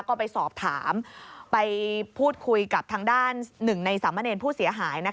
ก็ไปสอบถามไปพูดคุยกับทางด้านหนึ่งในสามเณรผู้เสียหาย